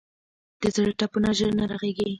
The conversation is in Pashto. د زړه ټپونه ژر نه رغېږي.